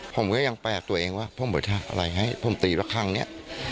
ผมก็ยังแปลกตัวเองว่าผมเปิดทางอะไรให้ผมตีว่าครั้งนี้